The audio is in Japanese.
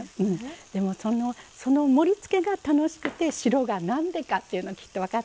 でもその盛りつけが楽しくて白が何でかっていうのきっと分かってきます。